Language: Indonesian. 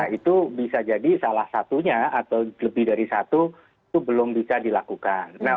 itu bisa jadi salah satunya atau lebih dari satu itu belum bisa dilakukan